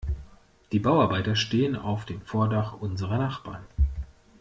Die Bauarbeiter stehen auf dem Vordach unserer Nachbarn.